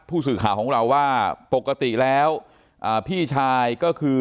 ผู้สื่อข่าวของเราว่าปกติแล้วอ่าพี่ชายก็คือ